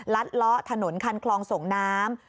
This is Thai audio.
ลัดล้อถนนคันคลองส่งน้ำ